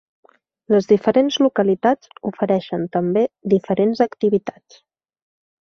Les diferents localitats ofereixen també diferents activitats.